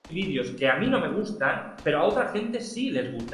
Lily se encuentra en la planta con Lu Chen.